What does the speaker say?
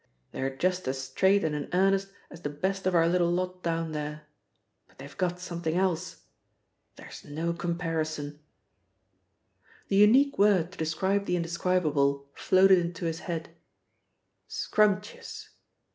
They're just as straight and in earnest as the best of our little lot down there. But they've got something else. There's no comparison!" The unique word to describe the indescribable floated into his head: "Scrumptuous!"